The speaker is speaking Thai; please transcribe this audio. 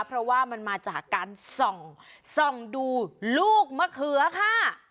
เพราะว่ามันมาจากการส่องดูลูกมะเขือค่ะ